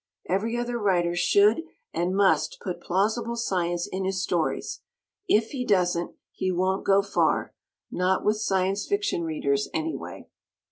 Every other writer should and must put plausible science in his stories. If he doesn't, he won't go far; not with Science Fiction readers, anyway.